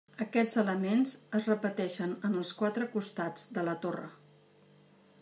Aquests elements es repeteixen en els quatre costats de la torre.